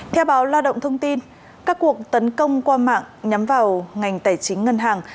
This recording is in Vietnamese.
theo báo lao động thông tin các cuộc tấn công qua mạng nhắm vào ngành tài chính ngân hàng